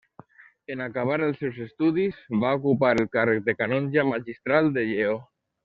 En acabar els seus estudis va ocupar el càrrec de canongia magistral de Lleó.